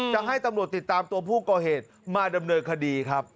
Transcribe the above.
จะให้ตำรวจติดตามตัวผู้ก่อเหตุมาดำเนินคดีครับ